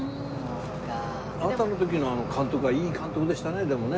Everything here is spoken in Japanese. あなたの時の監督はいい監督でしたねでもね。